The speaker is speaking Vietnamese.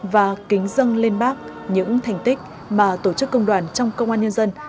và kính dâng lên bác những thành tích mà tổ chức công đoàn trong công an nhân dân